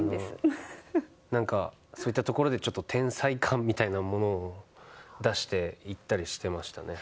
そういったところで天才感みたいなものを出していったりしてました。